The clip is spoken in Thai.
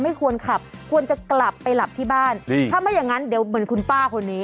ไม่ควรขับควรจะกลับไปหลับที่บ้านถ้าไม่อย่างงั้นเดี๋ยวเหมือนคุณป้าคนนี้